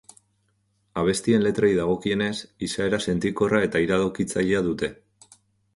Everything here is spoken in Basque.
Abestien letrei dagokienez, izaera sentikorra eta iradokitzailea dute.